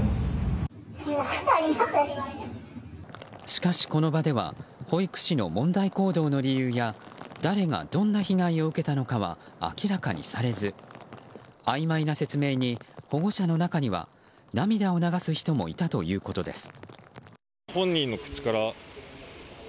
しかし、この場では保育士の問題行為の理由や誰がどんな被害を受けたのかは明らかにされずあいまいな説明に保護者の中には涙を流す人もいたということです。